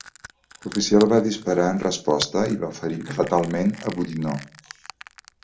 L'oficial va disparar en resposta i va ferir fatalment a Boudinot.